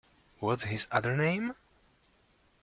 What’s his other name?